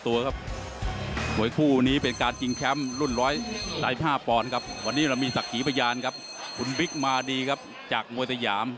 วันนี้เป็นวันไม่ทราย